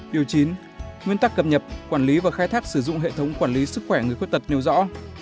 điều chín nguyên tắc cập nhập quản lý và khai thác sử dụng hệ thống quản lý sức khỏe người khuyết tật nêu rõ